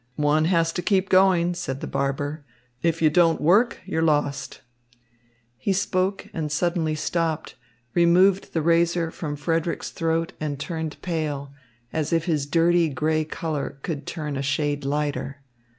"One has to keep going," said the barber. "If you don't work, you're lost." He spoke and suddenly stopped, removed the razor from Frederick's throat and turned pale, if his dirty grey colour could turn a shade lighter.